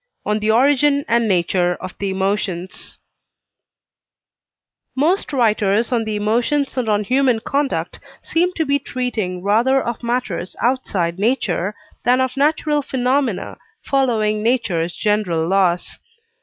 ON THE ORIGIN AND NATURE OF THE EMOTIONS Most writers on the emotions and on human conduct seem to be treating rather of matters outside nature than of natural phenomena following nature's general laws.